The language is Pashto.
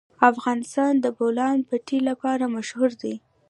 افغانستان د د بولان پټي لپاره مشهور دی.